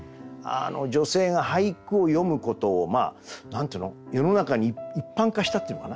女性が俳句を詠むことを何ていうの世の中に一般化したっていうのかな。